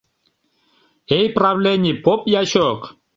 Эй, правлений — поп ячок!